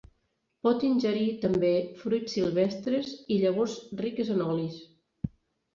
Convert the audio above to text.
Pot ingerir també fruits silvestres i llavors riques en olis.